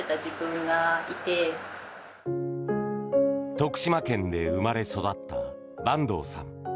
徳島県で生まれ育った板東さん。